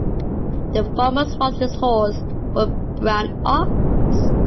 The farmer swapped his horse for a brown ox.